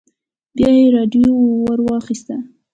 بيا يې راډيو ور واخيسته.